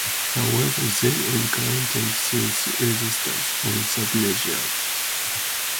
However, they encountered serious resistance from the villagers.